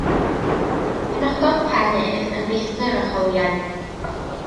Penododd Penn ef yn feistr y rholiau.